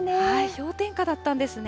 氷点下だったんですね。